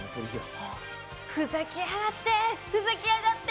ふざけやがって、ふざけやがって！